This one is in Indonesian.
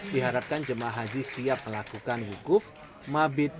diharapkan jemaah haji siap melakukan wukuf mabit